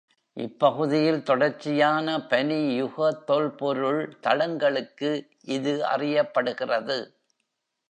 இப்பகுதியில் தொடர்ச்சியான பனி யுக தொல்பொருள் தளங்களுக்கு இது அறியப்படுகிறது.